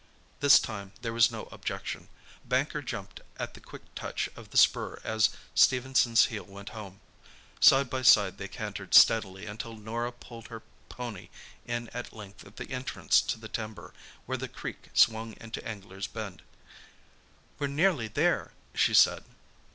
This time there was no objection. Banker jumped at the quick touch of the spur as Stephenson's heel went home. Side by side they cantered steadily until Norah pulled her pony in at length at the entrance to the timber, where the creek swung into Anglers' Bend. "We're nearly there," she said.